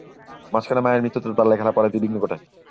মাঝখানে মায়ের মৃত্যুতে তার লেখাপড়ায় বিঘ্ন ঘটে।